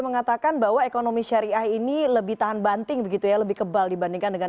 mengatakan bahwa ekonomi syariah ini lebih tahan banting begitu ya lebih kebal dibandingkan dengan